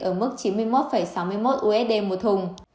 ở mức chín mươi năm năm mươi năm usd một thùng